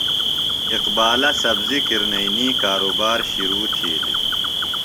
اقبالہ سبزیۡ کرنئینی کارُبار شِرو تِھیلیۡ۔